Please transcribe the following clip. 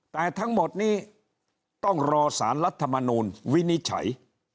แต่ทั้งหมดนี้ต้องรอสารรัฐมนูลวินิจฉัย